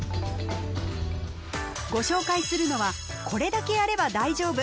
ご紹介するのはこれだけやれば大丈夫！